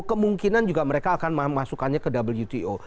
kemungkinan juga mereka akan memasukkannya ke wto